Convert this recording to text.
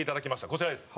こちらです。